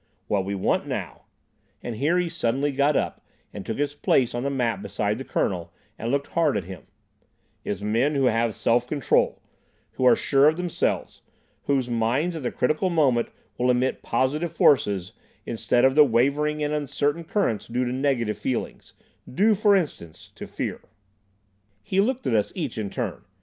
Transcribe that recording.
What we want now"—and here he suddenly got up and took his place on the mat beside the Colonel, and looked hard at him—"is men who have self control, who are sure of themselves, whose minds at the critical moment will emit positive forces, instead of the wavering and uncertain currents due to negative feelings—due, for instance, to fear." He looked at us each in turn.